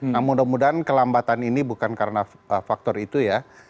nah mudah mudahan kelambatan ini bukan karena faktor itu ya